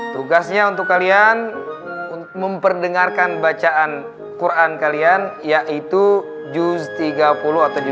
tugasnya untuk kalian memperdengarkan bacaan quran kalian yaitu juz tiga puluh atau judul